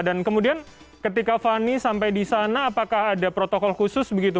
dan kemudian ketika vani sampai di sana apakah ada protokol khusus begitu